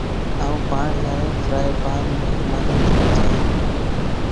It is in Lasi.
آن پاڻ لافرائي پانيم ماني تي پچائين